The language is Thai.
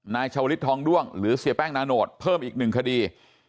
นายชาววฤษภองล่วงหรือเสียแป้งนโนตเพิ่มอีก๑คดี